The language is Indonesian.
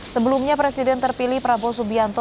sebelumnya presiden terpilih prabowo subianto